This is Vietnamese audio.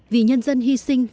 vì nhân dân hy sinh